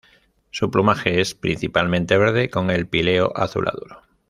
Su plumaje es principalmente verde con el píleo azulado.